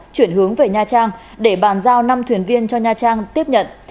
chuyển hướng về nha trang để bàn giao năm thuyền viên cho nha trang tiếp nhận